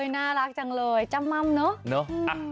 น่ารักจังเลยจ้ำม่ำเนอะ